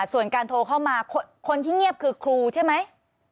ส่วนการโทรเข้ามาคนที่เงียบคือครูใช่ไหม